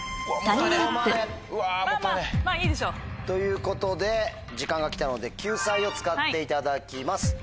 そこまで。ということで時間が来たので救済を使っていただきます。